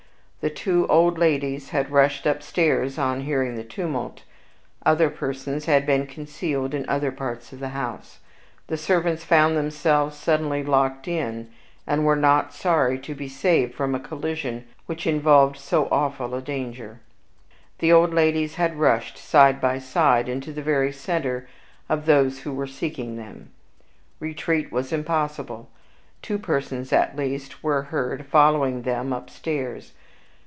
The two old ladies had rushed upstairs on hearing the tumult. Other persons had been concealed in other parts of the house. The servants found themselves suddenly locked in, and were not sorry to be saved from a collision which involved so awful a danger. The old ladies had rushed, side by side, into the very center of those who were seeking them. Retreat was impossible; two persons at least were heard following them upstairs.